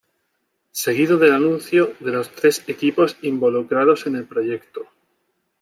Seguido del anuncio de los tres equipos involucrados en el proyecto.